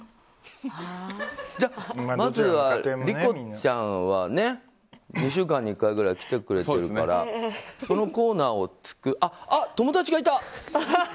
じゃあ、まずは理子ちゃんはね２週間に１回ぐらい来てくれているからあ、友達がいた！